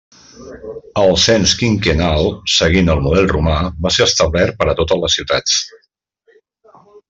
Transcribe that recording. El cens quinquennal, seguint el model romà, va ser establert per a totes les ciutats.